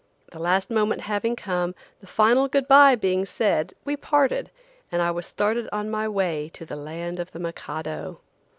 The last moment having come, the final good bye being said, we parted, and I was started on my way to the land of the Mikado.